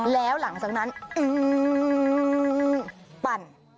แล้วหลังจากนั้นปั่น